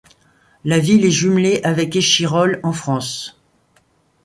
La ville est jumelée avec Échirolles en France.